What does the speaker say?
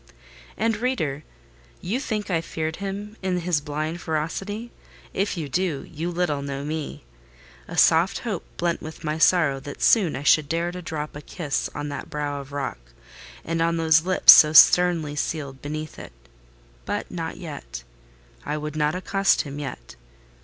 And, reader, do you think I feared him in his blind ferocity?—if you do, you little know me. A soft hope blent with my sorrow that soon I should dare to drop a kiss on that brow of rock, and on those lips so sternly sealed beneath it: but not yet. I would not accost him yet.